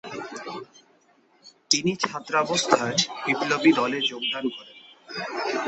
তিনি ছাত্রাবস্থায় বিপ্লবী দলে যোগদান করেন।